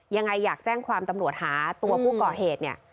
ยังไงอยากแจ้งความตำรวจหาตัวผู้ก่อเหตุเนี่ย